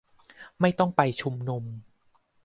ไม่ต้องไปชุมนุม